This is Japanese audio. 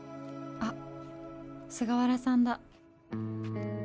あっ菅原さんだ！